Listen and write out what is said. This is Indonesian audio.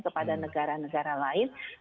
kepada negara negara lain